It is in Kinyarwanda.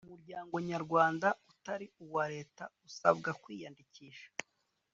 umuryango nyarwanda utari uwa leta usabwa kwiyandikisha.